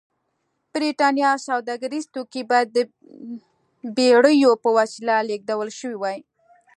برېټانیا سوداګریز توکي باید د بېړیو په وسیله لېږدول شوي وای.